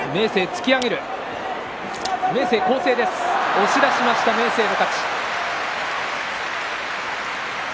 押し出しました明生の勝ち。